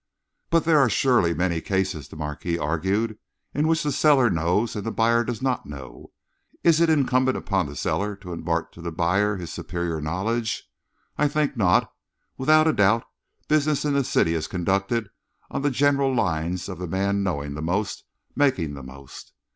"But there are surely many cases," the Marquis argued, "in which the seller knows and the buyer does not know? Is it incumbent on the seller to impart to the buyer his superior knowledge? I think not. Without a doubt, business in the city is conducted on the general lines of the man knowing the most making the most.